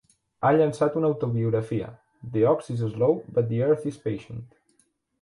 Ha llançat una autobiografia, "The Ox is Slow but the Earth is Patient".